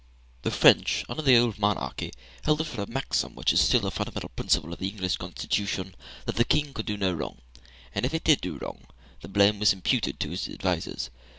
The French, under the old monarchy, held it for a maxim (which is still a fundamental principle of the English Constitution) that the King could do no wrong; and if he did do wrong, the blame was imputed to his advisers.